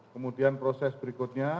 kemudian proses berikutnya